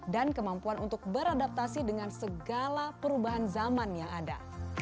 dan kemampuan untuk beradaptasi dengan segala perubahan zaman yang ada